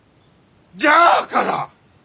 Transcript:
じゃあから！